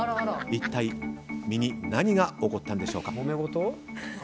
一体身に何が起こったんでしょうか。